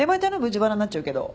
自腹になっちゃうけど。